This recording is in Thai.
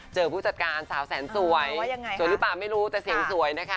ผู้จัดการสาวแสนสวยสวยหรือเปล่าไม่รู้แต่เสียงสวยนะคะ